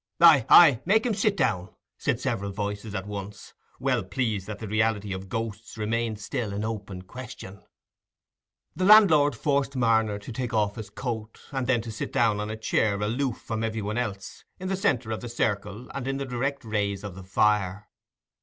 "Aye, aye, make him sit down," said several voices at once, well pleased that the reality of ghosts remained still an open question. The landlord forced Marner to take off his coat, and then to sit down on a chair aloof from every one else, in the centre of the circle and in the direct rays of the fire.